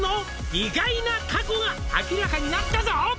「意外な過去が明らかになったぞ」